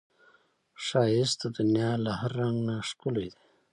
ښایست د دنیا له هر رنګ نه ښکلی دی